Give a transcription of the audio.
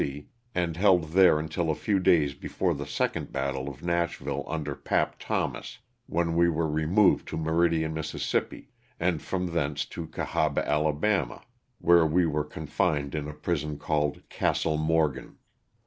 and held there until a few days before the second battle of Nashville under "Pap" Thomas, when we were removed to Meridian, Miss., and from thence to Cahaba, Ala., where we were confined in a prison called ''Castle Morgan."